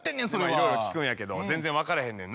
いろいろ聞くんやけど全然分からへんねんな。